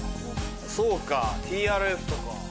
そうかＴＲＦとか？